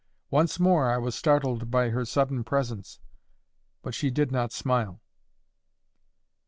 Once more I was startled by her sudden presence, but she did not smile.